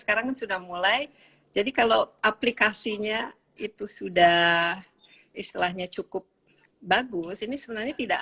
sekarang sudah mulai jadi kalau aplikasinya itu sudah istilahnya cukup bagus ini sebenarnya tidak